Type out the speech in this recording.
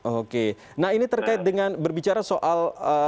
oke nah ini terkait dengan berbicara soal